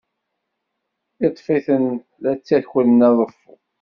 Yeḍḍef-iten la ttakren aḍeffu.